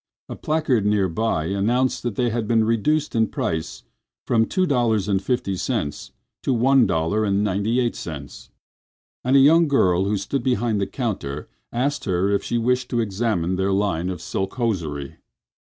A placard near by announced that they had been reduced in price from two dollars and fifty cents to one dollar and ninety eight cents; and a young girl who stood behind the counter asked her if she wished to examine their line of silk hosiery.